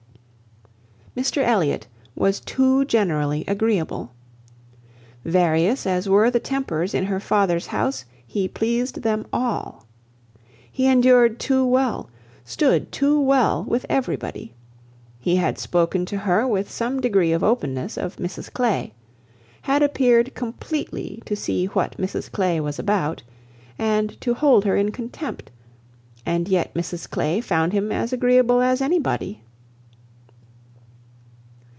Mr Elliot was too generally agreeable. Various as were the tempers in her father's house, he pleased them all. He endured too well, stood too well with every body. He had spoken to her with some degree of openness of Mrs Clay; had appeared completely to see what Mrs Clay was about, and to hold her in contempt; and yet Mrs Clay found him as agreeable as any body.